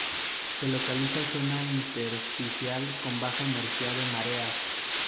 Se localiza zona intersticial con baja energía de mareas.